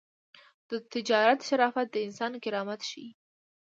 د تجارت شرافت د انسان کرامت ښيي.